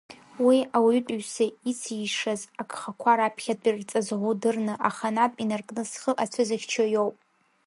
Уи, ауаҩытәыҩса ицишаз агхақәа раԥхьатәи рҵаҵӷәы дырны, аханатә инаркны, зхы ацәызыхьчо иоуп.